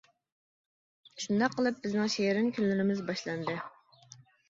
شۇنداق قىلىپ بىزنىڭ شېرىن كۈنلىرىمىز باشلاندى.